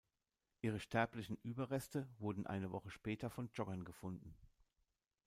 Ihre sterblichen Überreste wurden eine Woche später von Joggern gefunden.